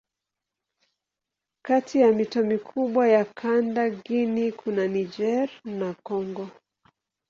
Kati ya mito mikubwa ya kanda Guinea kuna Niger na Kongo.